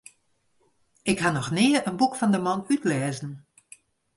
Ik ha noch nea in boek fan de man útlêzen.